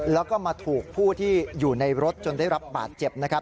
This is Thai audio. แล้วก็มาถูกผู้ที่อยู่ในรถจนได้รับบาดเจ็บนะครับ